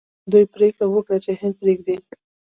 دوی پریکړه وکړه چې هند پریږدي.